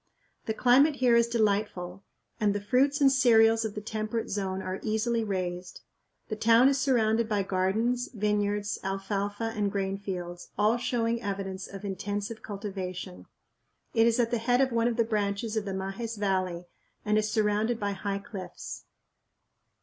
The climate here is delightful and the fruits and cereals of the temperate zone are easily raised. The town is surrounded by gardens, vineyards, alfalfa and grain fields; all showing evidence of intensive cultivation. It is at the head of one of the branches of the Majes Valley and is surrounded by high cliffs.